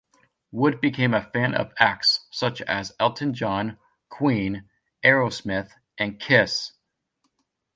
Wood became a fan of acts such as Elton John, Queen, Aerosmith, and Kiss.